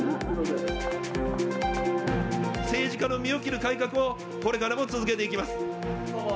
政治家の身を切る改革を、これからも続けていきます。